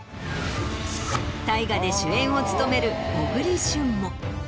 大河で主演を務める小栗旬も。